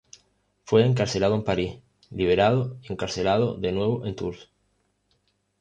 Fue encarcelado en París, liberado y encarcelado de nuevo en Tours.